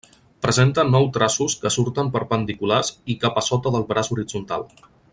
Presenta nou traços que surten perpendiculars i cap a sota del traç horitzontal.